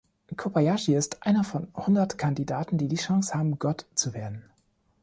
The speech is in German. Kobayashi ist einer von hundert Kandidaten, die die Chance haben, Gott zu werden.